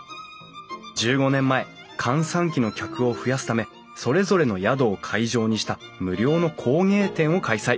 １５年前閑散期の客を増やすためそれぞれの宿を会場にした無料の工芸展を開催。